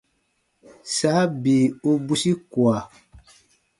Saa bii u bwisi kua.